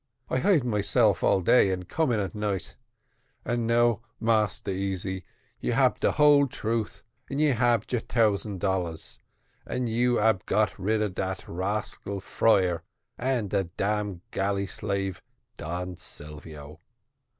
I hide myself all day and come in at night, and now, Massa Easy, you ab all de whole truth and you ab your tousand dollars and you ab got rid of de rascal friar and de damn galley slave Don Silvio."